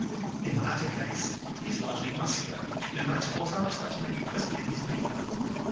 In the latter case he is largely Muscular, no matter what other types may be present in his makeup.